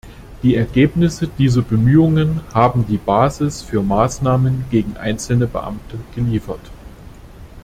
Die Ergebnisse dieser Bemühungen haben die Basis für Maßnahmen gegen einzelne Beamte geliefert.